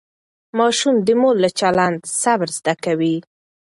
ماشوم د مور له چلند صبر زده کوي.